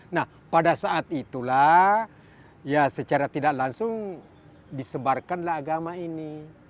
nah pada saat itulah ya secara tidak langsung disebarkanlah agama ini